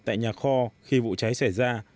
tại nhà kho khi vụ cháy xảy ra